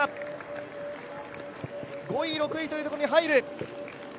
５位、６位というところに入る。